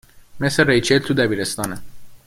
!مثل ریچل تو دبیرستانه